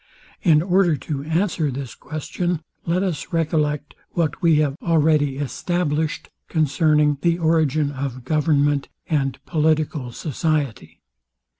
In order to answer this question, let us recollect what we have already established concerning the origin of government and political society.